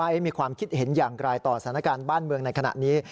มีความคิดเห็นอย่างไรต่อสถานการณ์บ้านเมืองในขณะนี้